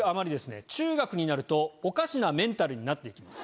中学になるとおかしなメンタルになっていきます。